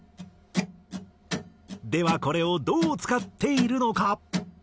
ではこれをどう使っているのか？